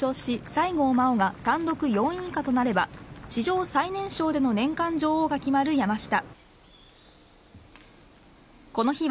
有が西郷真央が単独４位以下となれば史上最年少での年間女王が決まる山下。